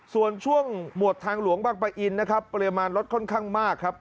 ส่วนช่วงหมวดทางหลวงบางปะอินนะครับปริมาณรถค่อนข้างมากครับ